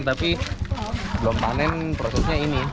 tapi belum panen prosesnya ini